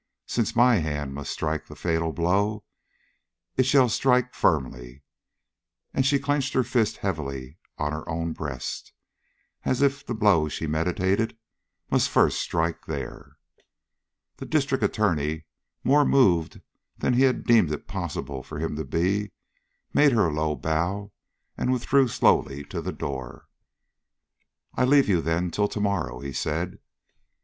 Since my hand must strike the fatal blow, it shall strike firmly!" and her clenched fist fell heavily on her own breast, as if the blow she meditated must first strike there. The District Attorney, more moved than he had deemed it possible for him to be, made her a low bow and withdrew slowly to the door. "I leave you, then, till to morrow," he said.